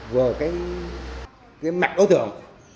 về mặt đối tượng